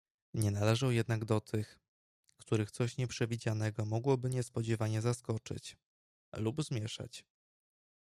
"Nie należał jednak do tych, których coś nieprzewidzianego mogłoby niespodzianie zaskoczyć, lub zmieszać."